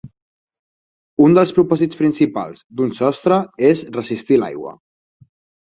Un dels propòsits principals d’un sostre és resistir l’aigua.